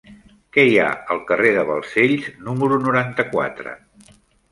Què hi ha al carrer de Balcells número noranta-quatre?